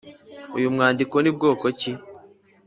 Uyu mwandiko ni bwoko ki?